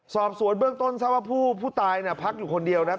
สอบสวนเบื้องต้นทราบว่าผู้ตายพักอยู่คนเดียวนะครับ